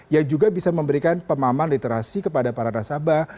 yang juga bisa memberikan pemahaman literasi kepada para nasabah